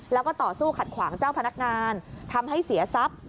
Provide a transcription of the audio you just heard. แล้วก็ต่อสู้ขัดขวางเจ้าพนักงานทำให้เสียทรัพย์